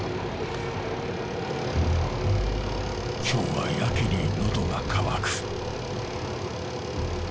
今日はやけに喉が渇く。